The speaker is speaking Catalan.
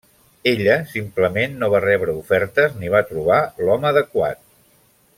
Ella simplement no va rebre ofertes ni va trobar l'home adequat.